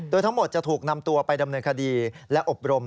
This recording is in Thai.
โดยทั้งหมดจะถูกนำตัวไปดำเนินคดีและอบรม